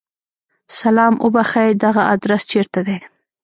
سلام! اوبښئ! دغه ادرس چیرته دی؟